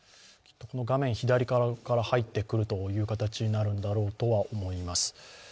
画面左から入ってくる形になるんだろうとは思います。